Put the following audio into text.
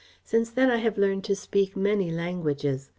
Since then I have learned to speak many languages.